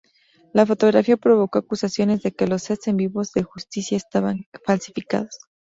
La fotografía provocó acusaciones de que los sets en vivo de Justice estaban falsificados.